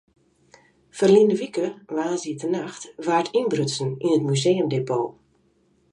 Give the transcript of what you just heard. Ferline wike woansdeitenacht waard ynbrutsen yn it museumdepot.